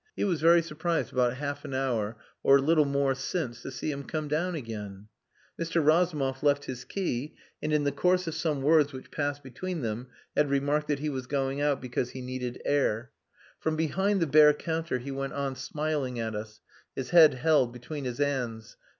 He was very surprised about half an hour or a little more since to see him come down again. Mr. Razumov left his key, and in the course of some words which passed between them had remarked that he was going out because he needed air. From behind the bare counter he went on smiling at us, his head held between his hands.